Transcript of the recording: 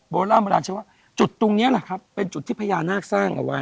โบราณเชื่อว่าจุดตรงนี้แหละครับเป็นจุดที่พญานาคสร้างเอาไว้